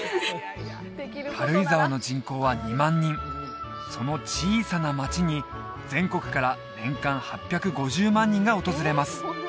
軽井沢の人口は２万人その小さな町に全国から年間８５０万人が訪れます